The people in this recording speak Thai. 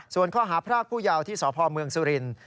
ส่วนข้อหาพรากผู้ยาวที่สพเมืองสุรินทร์